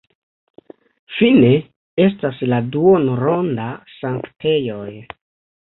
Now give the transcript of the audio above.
Fine estas la duonronda sanktejoj.